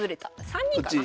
３二かな。